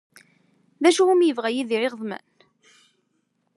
D acu umi yebɣa Yidir iɣeḍmen?